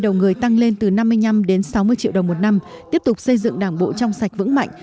đầu người tăng lên từ năm mươi năm đến sáu mươi triệu đồng một năm tiếp tục xây dựng đảng bộ trong sạch vững mạnh